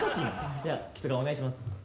ではキス顔お願いします。